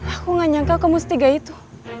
aku gak nyangka kamu setiga itu